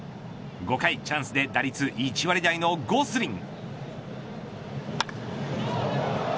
５回、チャンスで打率１割台のゴスリン。